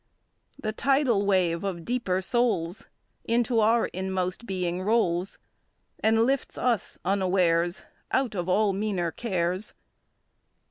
The tidal wave of deeper souls Into our inmost being rolls, And lifts us unawares Out of all meaner cares.